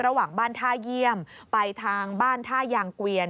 ระหว่างบ้านท่าเยี่ยมไปทางบ้านท่ายางเกวียน